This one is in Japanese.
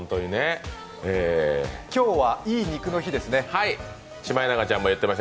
今日は、いい肉の日ですね。